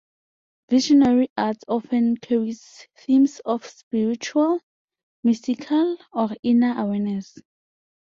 Visionary art often carries themes of spiritual, mystical or inner awareness.